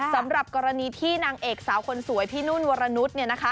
สำหรับกรณีที่นางเอกสาวคนสวยพี่นุ่นวรนุษย์